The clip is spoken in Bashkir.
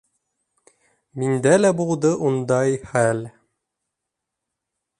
Миндә лә булды ундай хәл.